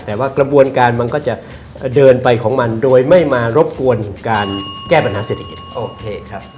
แต่ว่ากระบวนการมันก็จะเดินไปของมันโดยไม่มารบกวนการแก้ปัญหาเศรษฐกิจโอเคครับ